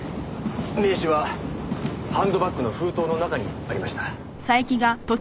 名刺はハンドバッグの封筒の中にありました。